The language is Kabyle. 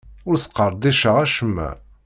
Ur sqerdiceɣ acemma.